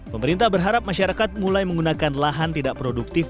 pemerintah berharap masyarakat mulai menggunakan lahan tidak produktif